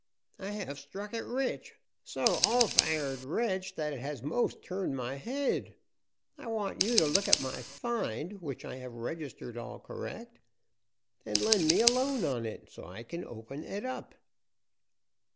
"I have struck it rich so all fired rich that it has 'most turned my head. I want you to look at my find, which I have registered all correct, and lend me a loan on it so I kin open et up."